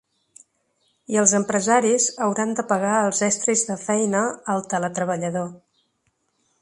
I els empresaris hauran de pagar els estris de feina al teletreballador.